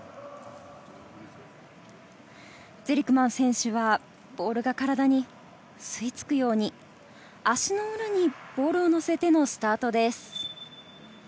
ゼリクマン選手はボールが体に吸い付くように足の裏にボールをのせてのスタートです。